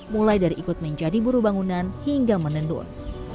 mulai dari ikut menjadi buru bangunan hingga menendur